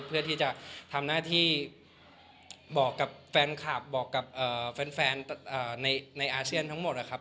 เพื่อที่จะทำหน้าที่บอกกับแฟนคลับบอกกับแฟนในอาเซียนทั้งหมดนะครับ